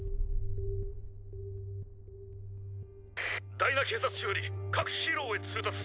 大奈警察署より各ヒーローへ通達。